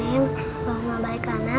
bahwa mama baikkanah